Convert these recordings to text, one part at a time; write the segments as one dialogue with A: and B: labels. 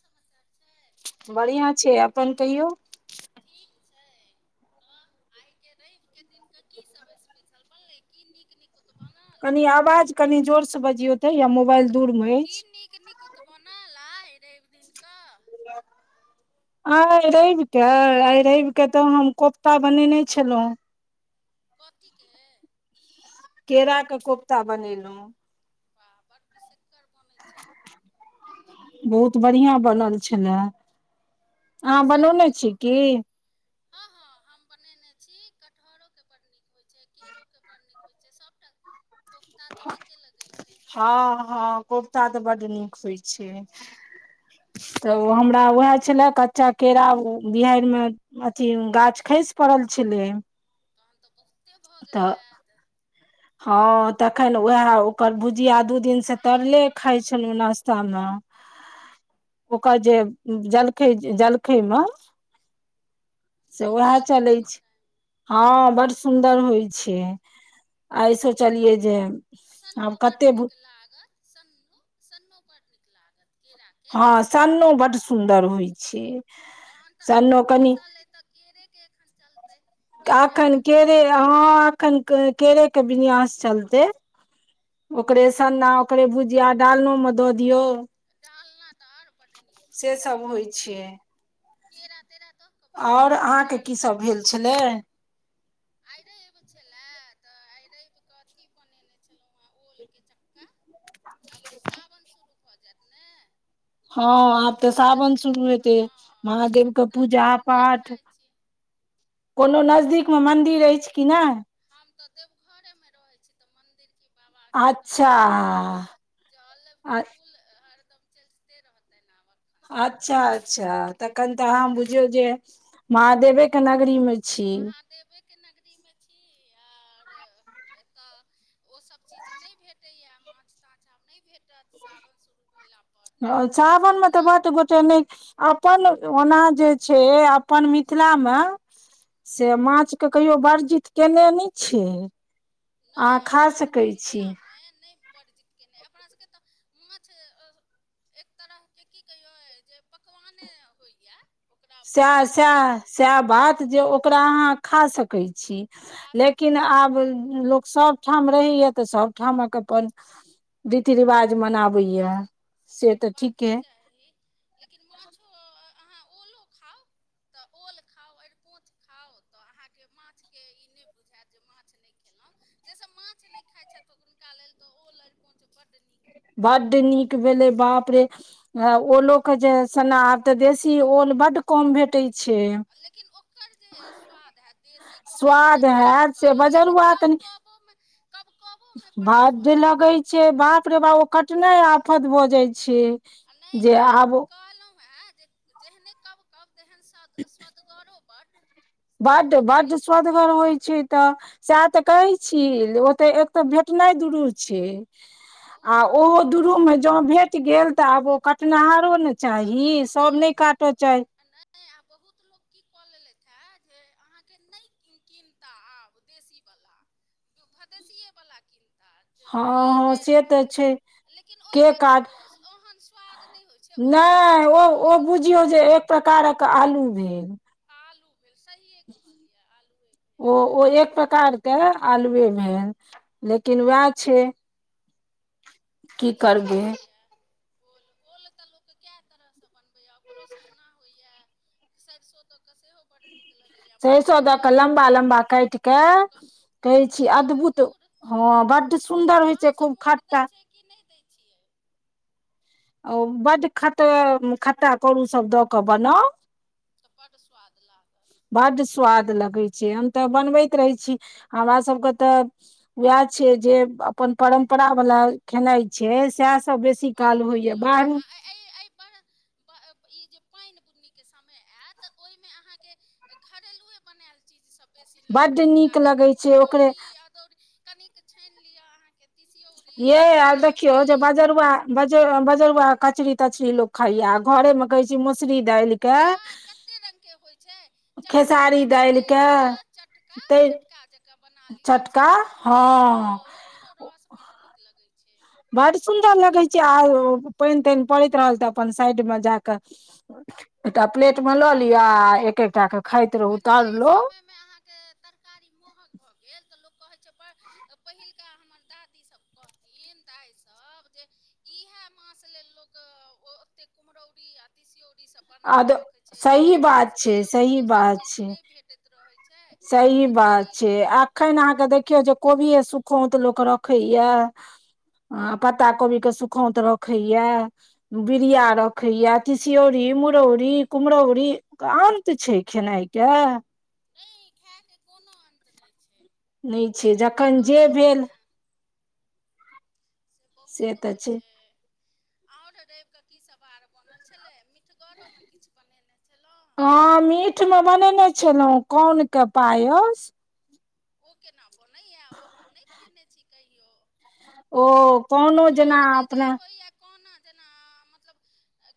A: समाचार छै।
B: बढ़ियाँ छै, अपन कहियौ।
A: ठीक छै, हां। ब आय के रैब के दिन के की सब स्पेशल बनलै की नीक-नीकुत बनल।
B: कनी अवाज कनि जोर से बजियौ तै या मुबाएल
A: की नीक-निकुत बनल आय रैब दिन कऽ।
B: आय रैब के आय रैब के तऽ हम कोफ्ता बनेनै छलौ।
A: कथी के।
B: केरा के कोफ्ता बनेलौ।
A: बा बड़ बिसक्कर बनै छै।
B: बहुत बढ़ियां बनल छलाए।
A: और संग मे की हां-हां हम ब नेनै छी कटहरो के बड़ नीक होय छै, केरो के बड़ नीक होय छै सबटा कोफ्ता तऽ नीके लगै छै।
B: हां-हां कोफ्ता तऽ बड नीक होय छै। तऽ उ हमरा उहाए छला कच्चा केरा उ बिहाएर मे अथी गाछ खैस पड़ल छलै।
A: तहन तऽ बहुते भऽ गेल हाएत।
B: हां तखन उहाए ओकर भुजिया दू दिन से तरले खाय छलु नास्ता मे।
A: [inaudible]
B: ओकर जे उम्म जलखै, जलखै मे से
A: नीक
B: उहाए
A: लगै
B: चलै छै।
A: खायमे
B: हां बड़ सुन्दर होय छै, आय सोचलियै जे
A: सन्नो
B: आब
A: बड
B: कते
A: नीक लागत सन्नो, सन्नो बड नीक लागत केरा
B: हां सन्नो बड सुन्दर होय छै।
A: तहन तऽ एखन
B: सन्नो कनि
A: खसल अय तऽ केरे के एखन चलतै एक
B: एखन केरे हां। एखन के केरे के विन्यास चलतै, ओकरे सन्ना, ओकरे भु जिया डालनो मे दऽ दियौ।
A: डालना तऽ आर
B: से सब होय छै।
A: केरा-तेरा तऽ
B: और अहाँ के की सब भेल छलै?
A: आ रवि छला तऽ आ रविक के अथी बनेने छलहु। हँ ओलके चक्का आब ओ सावन शूरु भऽ जैत ने।
B: हँ आब तऽ
A: अपना
B: सावन
A: सभके
B: शुरू
A: हँ
B: हेते
A: तऽ
B: महादेव
A: माछ
B: के
A: ताछ
B: पूजा
A: आब नहि
B: पाठ
A: खाइ छी
B: कोनो नजदीक मे मन्दिर अइछ कि नहि।
A: हम तऽ देवघरे मे रहै छी तऽ मंन्दिर की बाबा के तऽ
B: अच्छा
A: हम जल फूल हरदम चढते रहतै ने आब। एखनसँ
B: अच्छा अच्छा तखन तऽ अहाँ बुझियौ जे महादेवे के नगरी मे छी
A: महादेवेके नगरीमे छी और एतऽ ओसभ चीज नहि भेटैया माछ ताछ आब नहि भेटत सावन सुरु
B: आ सावानमे तऽ बाड्ड गोटे नहि अपन ओना जे छै अपन मिथिलामे से माछके कहियो वर्जित केने नहि छे। अहाँ खा सकै छी।
A: तें नहि बरजीत केने अपना सभके तऽ माछ एक तरहके की कहियौ जे पकवाने होइया।
B: सैह सैह सैह बात जे ओकरा अहाँ खा सकैय छी।
A: खा सकै
B: लेकिन
A: छी
B: आब लोक सब ठाम रहिये तऽ सबठामक अपन रीति रिवाज मनाबैया।
A: से तऽ होबाके चाही लेकिन माछो अहाँ ओलो खाउ। तऽ ओल खाउ अरिकोंच खाउ तऽ अहाँके माछके ई नहि बुझायत जे माछ नहि ख खेलहु जेसब माछ नहि खाइत छथि हुनका लेल तऽ ओल अड़िकोंच बड नीक।
B: बड्ड नीक भेलै बाप रे ओलो के जे सन्ना आब तऽ देशी ओल बड्ड कम भेटे छै।
A: लेकिन ओकर जे स्वाद हेत देशी कहै छै ने
B: स्वाद
A: कब
B: हैत से
A: कब लेकिन
B: बजरुआ
A: कब
B: कनि
A: कबोमे कब कबोमे
B: बड्ड
A: स्वाद
B: लगै छै बाप रे बा ओ काटनाय आफत भऽ जाइ छै।
A: आ नहि
B: जे आब
A: कहलहु हेँ जे जेहने कव कव तेहने सव स्वअदगरो बड।
B: बड्ड बड्ड स्वद गड़ होइ छै त सैह त कहे छी ओते एतऽ भेटनाइ दुरूर छै। आ
A: बहुत
B: ओहो
A: दुर्लभ छै
B: दुरूम मे जौं भेट गेल तऽ आब ओ कटनाहारो ने
A: आ
B: चाही
A: बहुत
B: सभ नहि
A: लोक
B: काटऽ चहै
A: नहि आ बहुत लोग की कऽ लेलेथ है जे अहाँ के नहि कीॅनता आब देशी वला भदेशीये वला किनता
B: हँ
A: की
B: हँ
A: जे
B: से तऽ छै
A: लेकिन
B: के
A: ओहिमे
B: काट
A: कोनो ओहन स्वाद नहि होइ छै। ओल होइ
B: नहि
A: छै
B: ओ ओ
A: लेकिन
B: बुझियौ
A: स्वाद
B: जे एक
A: नहि
B: प्रकारक आलू भेल।
A: आलू भेल सहिए कहलियै आलुए भेल।
B: ओ ओ एक प्रकार के आलुए भेल लेकिन वैह छै।
A: बड्ड
B: की
A: नीक
B: करबै
A: लगैया। ओल ओल तऽ लोक कए तरहस बनबैया ओकरो सन्ना होइया। सैड़सों दऽ कऽ सेहो बड्ड नीक लगैया।
B: सरिसों दऽ कऽ लम्बा लम्बा काटि कऽ कहै
A: मूड़
B: छी
A: दऽ कऽ
B: अद्भुत
A: मूड़
B: हँ बड सुन्दर होइ छै खूब खाट्टा
A: की नहि दै छियै।
B: ओ बडड ख खटा करू सब द क बनाउ।
A: बड सुआद लागत।
B: बड्ड स्वाद लगैत छै, हम तऽ बनबैत रहै छी, हमर सभके तऽ वएह छै जे अपन परम्परा वालला खेनाइ छै, सएह सब बेसी काल होइया बाहरी
A: एहि एहि परहक पानि बुनीके समय आयत, ओहिमे अहाँके घरेलए अपनबनायल चीजसभ। बेसी
B: बड्ड
A: नीक लागत,
B: लगै छै ओकरे
A: कुमहरौरी, अदौरी, कनिक छानि लिअ अहाँके तीसियोड़ी,
B: ये
A: कनी
B: आ देखियौ
A: तिलौड़ी।
B: जे बजरुआ बज बजरुआ कचरी -तचरी लोग खाया, घरे मे कहै छी, मसुरी दाइलिकै
A: रंग के होइ छै, चटका एना के तर
B: दालिके
A: दिय चटका
B: तै
A: चका। का जकाँ बना लिअ, सेहो बड्ड नीक हँ, ओकरो रस बड्ड नीक लगै छै।
B: बड़ सुन्दर लगै छै, आ पानि- तानि पड़ैत रहल तऽ अपन साइड मे जा कऽ एकटा प्लेट में लऽ लिअ, आ एक एकटा के खाइत रहू
A: कनि एहि
B: तरलो
A: समयमे अहाँके तरकारी महग भऽ गेल, तऽ लोक कहै छै, पहिलका हमर दादी सब कहथि थिन दइ सभ, जे इएह मास लेल लोक ओतेक कुम्हरौरी आओ तिसौरी सभ
B: आ
A: बनाकऽ रखै छै, जे
B: सही
A: एहि
B: बात छै
A: मासमे लोक
B: सही
A: ओसभ
B: बात छै
A: के देत रहै छै।
B: सही
A: तऽ
B: बात
A: ताहि
B: छै,
A: दुआरे
B: एखन अहाँके देखियौ जे, कोबिए सुखौ तऽ लोक रख रखैया, आ पत्ता कोबी के सुखौत रखैया। बीरिया रखैए, तसियौरी, मुरौरी, कुम्हरौरी। अन्त छै खेनाइ के।
A: नहि खायके कोनो अन्त नहि छै।
B: नहि छै,
A: तै तऽ
B: जखन जे
A: कहलहुँ
B: भेल।
A: हेँ से बहुत होइ छै। और रवि के की सब आर बनल छले मिठगरो में किछु बनेने छलहु?
B: हँ, मीटमे बनेने छलहुँ, कोनके पायस।
A: ओ केना बनैएा ओ हम नहि खेने छी कहियो?
B: ओ कोनो जेना
A: कोनके जे
B: अपने
A: होइए कोना जेना मतलब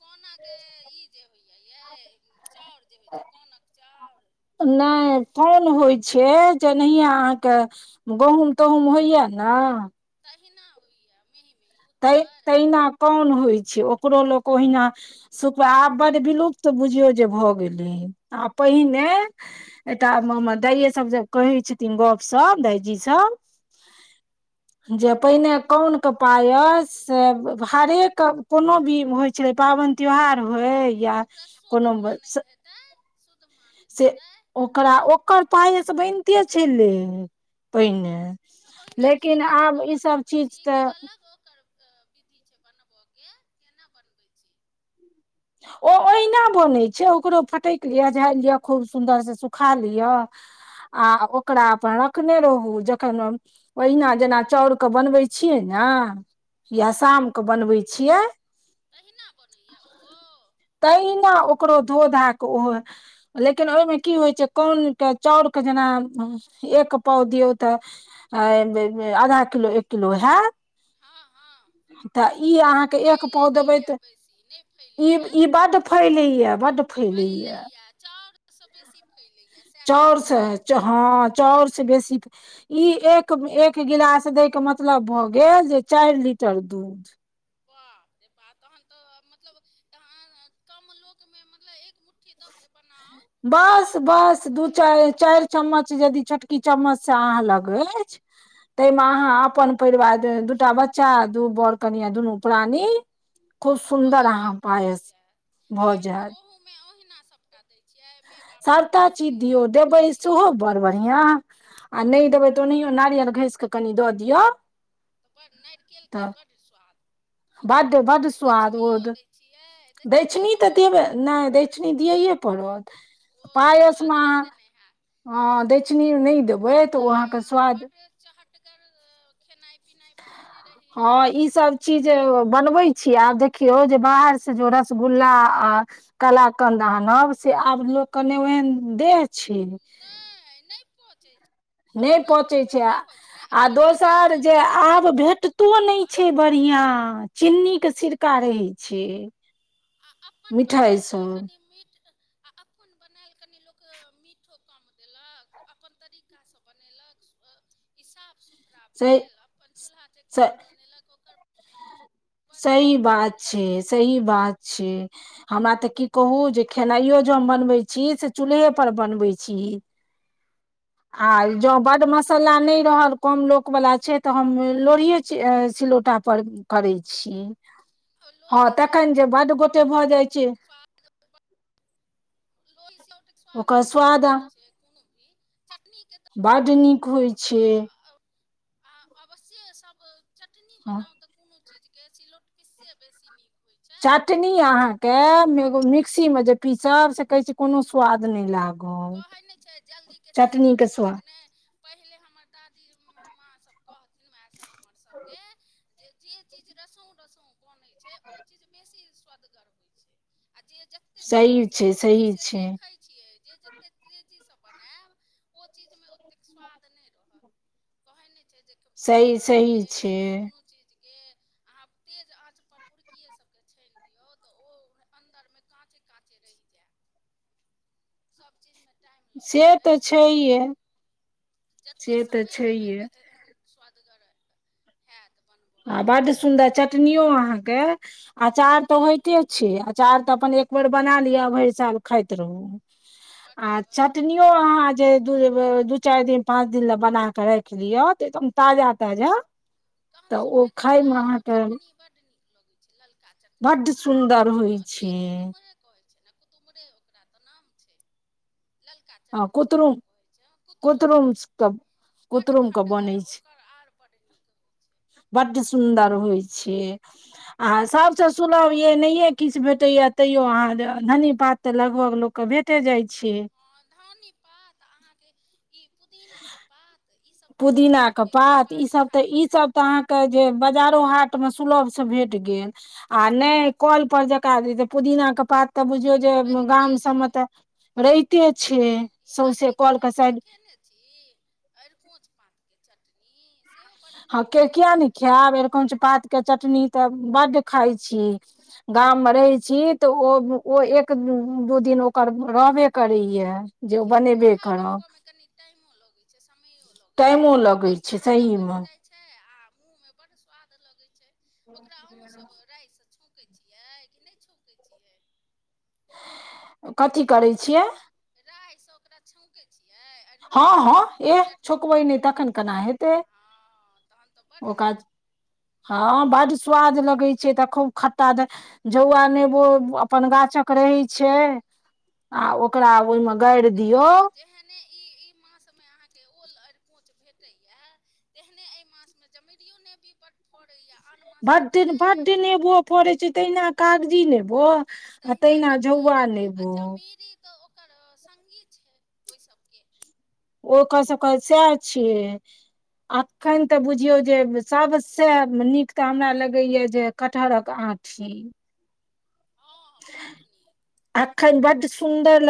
A: कोनाके ई जे होइय चाउर। जे होइ छै, कोनक चाउर।
B: नहि, कोन होइ छै, जेनाहिये अहाँके गँहुम -तहुम होइया ने।
A: तहिना होइयै, मीही-मीही।
B: ते तहिना कौन होइ छै, ओकरो लोक ओहिना शुक्र आब बड्ड विलुप्त बुझियौ जे भऽ गेलै, आ पहिने एकटा मे हमर दाइे सब जे कहै छथिन गप- सप, दाइजी सब! जे पहिने कौन के पात से हरेक कोनो भी होइ छले, पाबनि त्योहार होय। या
A: ओकरा शुद्ध
B: कोनो
A: मानैत हेतै शुद्ध मानैत
B: से
A: हेतै
B: ओकरा ओकर पायस बनिते छै ले पहिने
A: त ओहिना
B: लेकिन
A: खीरे
B: आब
A: जकाँ
B: ई सब
A: बनाबै छी
B: चीज तऽ
A: कि अलग ओकर विधि छै बनब के केना बनबै छी
B: ओ हिना बनै छै ओकरो फटकि लिय झाड़ि लिय खूब सुन्दर से सुखा लिय आ ओकरा अपन रखने रहू जखन ओहिना जेना चाउर के बनबै छियै न या शाम के बनबै छियै
A: तहिना बनैय ओहो
B: तहिना ओकरो धो-धा क ओहो लेकिन ओय में की होइ छै कौन क चाउर के जेना एक पाव दियौ त आय देबै आधा किलो किलो हैत
A: हँ हँ
B: त ई अहाँ के एक
A: फैलै
B: पाव
A: नहि
B: देबै
A: यए
B: त
A: बेसी नहि
B: इ ईब ई बड फैलैय बड
A: फैलैय चाउर सँ बेसी फैलैए सएह
B: चाउर से
A: कहयके
B: ह ह चाउर से बेसीक ई एक एक गिलास दय के मतलब भ गेल जे चाइर लीटर दूध
A: वाह रे बाह तहन त मतलब तहन कम लोक में मतलब एक मु मुट्ठी द के बनाउ
B: बस
A: तऽ
B: बस
A: बहुत
B: दू
A: हैत
B: चाइर चाइर चम्मच जदि छोटकी चम्मच से अहाँ लग अइछ तय में आहाँ अपन परिवार दै दूटा बच्चा दू बड़ कनियां दुनू प्राणी खूब
A: त ओ
B: सुन्दर
A: ओय
B: अहाँ
A: में भ
B: पायस
A: जैत आ
B: भऽ
A: ऐ
B: जायत
A: ओहो में ओहिना सब टा दै छियै मेवामे
B: सभटा चीज
A: मिश्री
B: दियौ
A: सभटा
B: देबै सेहो
A: चीज
B: बड़ बढ़िया आ नै देबै त ओनहियो नारियल घँइ स के कनि द दियौ
A: त बर नारिकेल के
B: तऽ
A: बड्ड स्वाद
B: बड्ड बड्ड स्वाद ओ
A: दक्षिणियो
B: द
A: दै छियै
B: दैछनी
A: दक्षिणियो
B: त देबे नै दैक्षणी दियैए पड़त
A: [unintelligible] हो के
B: पायस मे
A: स्वाद हेतै नेहा
B: अहाँ दैक्षिणी नहि देबै
A: तहन
B: तऽ
A: त
B: ओ
A: आय
B: अहाँके
A: आहाँ
B: स्वाद
A: बड्ड चहटगर खेनाई पिनाई बनेने रही
B: हँ ई सब चीज बनबै छी आब देखियौ जे बाहर से जे ओ रसगुल्ला आ कलाकंद आनब से आब लोक के नै ओहेन देह छै
A: नै नै पचै छै
B: नै
A: अपना
B: पचे
A: घरमे
B: छै
A: की होइ छै
B: आ
A: अपन बनायल
B: दोसर
A: चीज
B: जे
A: कनि
B: आब
A: मीठो
B: भेटतो नै
A: रहत
B: छै बढ़ियां चिन्नी के सिरका रहै छै
A: आ अपन
B: मिठाइ
A: बनैल
B: सब
A: कनि मीठ आ अपन बनैल कनि लोक मीठो कम देलक अपन तरीकासँ बनेलक सु अ ई साफ सुथरा
B: से
A: भेल अपन चूल्हा चेकी
B: से
A: पर बनेलक ओकर बड्ड नीक
B: सही
A: होइ
B: बात
A: ने
B: छै सही बात छै हमरा त की कहू जे खेनाइयो ज हम बनबै छी से चूल्हे पर बनबै छी आ जो बड मस सल्ला नै
A: बहुत
B: रहल
A: नीक
B: कम लोक वला छै त हम लोढ़ियए चि सिलौटा पर करै छी हँ
A: लोढ़ी
B: तखैन जे बड गोटे भ जाइ छै
A: स्वादो लोढी सिलौटक स्वाद
B: ओकर
A: तऽ बड
B: स्वाद
A: नीक होइ छै कुनु भी चटनी के
B: बड नीक होइ छैय।
A: अवश्ये सभ चटनी
B: हँ,
A: बनाउ तऽ कुनु चीजके सिलौट पिस्से बेसी नीक होइ छैय।
B: चटनी अहाँके मेगो मिक्सी में जे पीसब से कहै छी कुनु स्वाद नै लाग
A: कहै नै छैय जल्दी के चीज में स्वाद नहि। पहिले हमर दादी म माँ सब कहथिन मै सब हमर सब के जे जे चीज रसों-रसों बनै छैय ओ चीज बेसी सुअदगर होय छैय आ जे जते
B: सही
A: तेजीसँ
B: छै
A: बनै छैय
B: सही
A: से
B: छै
A: देखै छियै जे जत ते तेजीसँ बनैब ओ चीज में ओतेक स्वाद नहि रहत। कहै नै छैय जे कऽ
B: सही सही
A: पकवानके
B: छै
A: कुनु चीज के अहाँ तेज आँचपर पुरकिये सबके छैन यौ तऽ ओ अन्दरमे काँचे काँचे रहि जाय सब चीजमे टाइम
B: से
A: लगे
B: तऽ
A: छैय
B: छैहे
A: जते
B: से तऽ
A: समय देबे
B: छैहे
A: [unintelligible] सुउदगर हैत बन
B: आ बड्ड सुन्दर चटनियो अहाँके अचार तऽ होइते छैय अचार तऽ अपन एक बेर बना लिअ भरि साल खाइत रहू।
A: बड्ड
B: आ
A: बड्ड
B: चट नीयो अहाँ जे दू दू चारि दिन पांच दिन ले बना के राखि लियअ त एकदम ताजा ताजा तऽ
A: गाँव सब मे
B: ओ
A: एखन
B: खायमे
A: लालो
B: अहाँके
A: चटनी बड नीक लगेय। ललका चटनी
B: बड्ड
A: कुतु
B: सुन्दर
A: कुतुम
B: होइ छै
A: कीये कुतुम कहै छैय ने कुतुम्रे ओकरा तऽ नाम छैय। ललका
B: आ
A: चटनी
B: कुतरुम
A: जकरा कहै छैय
B: कुतरुम
A: कुतरूमके।
B: के
A: बड्ड
B: कुतरुम के
A: खटगर ओकर आर बड नीक। होइ छै
B: बड सुन्दर
A: खटगर
B: होइ छैय। आ सभसँ सुलभ य नहियए किछु भेटैए तइयो अहाँ धनी पात तऽ लगभग लोग के भेटे जाय छैय।
A: हँ धनी पात अहाँके ई पुदीनाके पात ईसभ रहै छै
B: पुदीना के
A: लोकके की
B: पात ई
A: बाड़ी
B: सब तऽ ई
A: झाड़ीमे
B: सब तऽ अहाँके जे बजारो हाट मे सुलभ से भेट गेल। आ नहि कल पर जका पुदीना के पात तऽ बुझियो जे
A: रहिते
B: गाम सबमे
A: छै
B: तऽ रहिते छैय
A: ई
B: सौंसे कल के साइड
A: एरकोच पातके चटनी सेहो बड्ड
B: हँ
A: नीक होइए।
B: के बेर एरकंच पात के चटनी तऽ बड्ड खाय छी। गाम मे रहै छी तऽ ओ ओ एक दू दिन ओकर रहबे करैए।
A: देखियौ लोढा बनबयमे कनि टाइमो लगे छैय समयो लगे छैय
B: टाइमो
A: आ ओ
B: लगै
A: तो
B: छै
A: चट तऽ
B: सही
A: बनि
B: मे
A: जाय छैय आ मुँह मे बड़ स्वाद लगै छैय ओकरा अंहु सब राय सँ छौ कै छियै कि नहि छौकै छियै।
B: कथी करै छियै।
A: रैय सँ ओकरा छौके छियै
B: हँ
A: अरिकोंच
B: हँ
A: पाँच पातके
B: एह
A: चटनी
B: छोकबै नहि तखन केना हेतै
A: हँ। तहन तऽ
B: ओ
A: बड्ड
B: काज
A: नीक।
B: हँ बड सुवाद लगै छैय तऽ खूब खट्टा दै। झोआ नेबो अपन गाछक रहै छै, आ ओकरा ओय में।
A: देखियौ ने जेहने ई -ई मास में अहाँके ओ ओल एरकोंच भेटैए। तेहने एहि मास में जमरियो नेबी बड्ड फड़ैए, आन मास में तऽ नै।
B: फोड़े छै तहिना कागजी नेबो। आ
A: तहिना
B: झौआ
A: जमेरी आ
B: नेबो
A: जमेरी तऽ ओकर संगी छै, ओहि सबके।
B: ओकर सब कै सैह छियै। अखन तऽ बुझियौ जे सभसँ नीक तऽ हमरा लगैए जे कटहरक आँ ठी।
A: हँ -हं बहुत नीक।
B: अखन बड सुन्दर ल